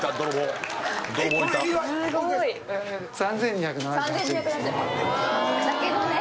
３２７８円ですね。